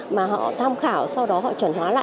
mà họ tham khảo sau đó họ chuẩn hóa